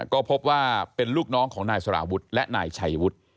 ก็พบว่าเป็นลูกน้องของนายสารวุฒิและนายชัยวุฒิ